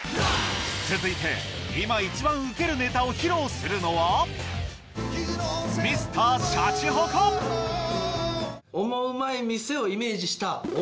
続いて今一番ウケるネタを披露するのはをイメージした。